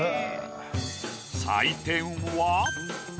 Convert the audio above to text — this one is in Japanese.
採点は。